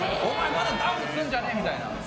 「お前まだダウンすんじゃねえ」みたいな。